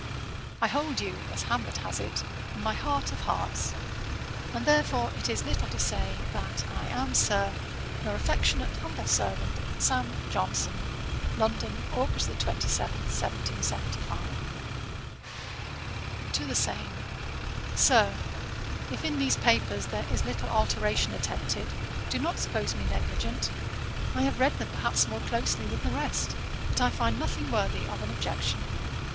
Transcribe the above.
I hold you, as Hamlet has it, 'in my heart of hearts,' and therefore, it is little to say, that I am, Sir, 'Your affectionate humble servant, 'SAM. JOHNSON.' 'London, Aug. 27, 1775.' TO THE SAME. 'SIR, 'If in these papers there is little alteration attempted, do not suppose me negligent. I have read them perhaps more closely than the rest; but I find nothing worthy of an objection.